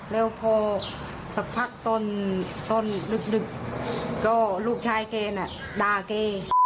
แล้วพอสักพักตอนต้นดึกก็ลูกชายแกน่ะด่าแก